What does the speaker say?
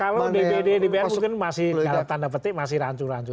kalau dpr mungkin masih kalau tanda petik masih rancu rancu